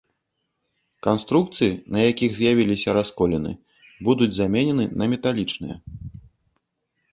Канструкцыі, на якіх з'явіліся расколіны, будуць заменены на металічныя.